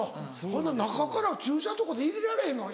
ほんなら中から注射とかで入れられへんの？